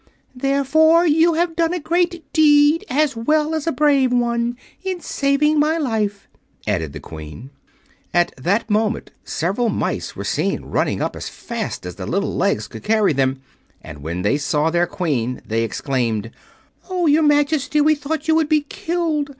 "Therefore you have done a great deed, as well as a brave one, in saving my life," added the Queen. At that moment several mice were seen running up as fast as their little legs could carry them, and when they saw their Queen they exclaimed: "Oh, your Majesty, we thought you would be killed!